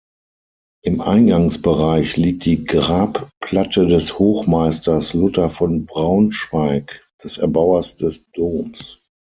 Im Eingangsbereich liegt die Grabplatte des Hochmeisters Luther von Braunschweig, des Erbauers des Doms.